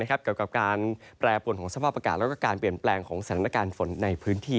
เกี่ยวกับการแปรปวนของสภาพอากาศและการเปลี่ยนแปลงของสถานการณ์ฝนในพื้นที่